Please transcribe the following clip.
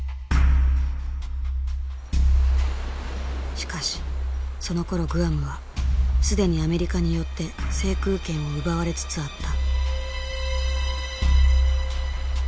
しかしそのころグアムは既にアメリカによって制空権を奪われつつあった。